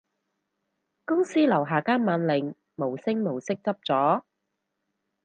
公司樓下間萬寧無聲無息執咗